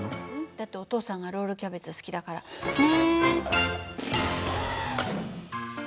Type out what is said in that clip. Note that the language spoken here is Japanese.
だってお父さんがロールキャベツ好きだから。ね！